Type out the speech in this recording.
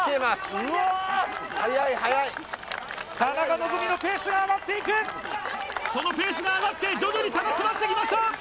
うわ田中希実のペースが上がっていくそのペースが上がって徐々に差が詰まってきました